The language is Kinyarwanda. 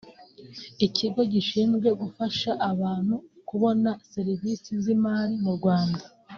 Ikigo gishinzwe gufasha abantu kubona serivise z’imari mu Rwanda